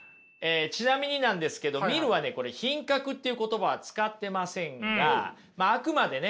ちなみになんですけどミルはね「品格」っていう言葉は使ってませんがあくまでね